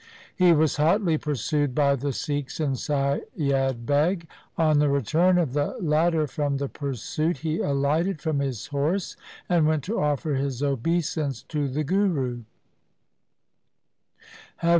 He was hotly pursued by the Sikhs and Saiyad Beg. On the return of the latter from the pursuit, he alighted from his horse and went to offer his obeisance to the Guru.